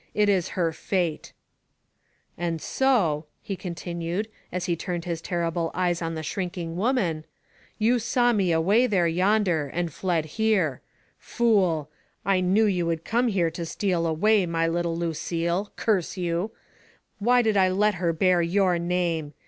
It is her fate !" "And* so, he continued, as he turned his terri ble eyes on the shrinking woman, "you saw me away there yonder, and fled here. Fool ! I knew you would come here to steal away my little Lucille — curse you! Why did I let her bear your name?